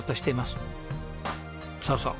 そうそう。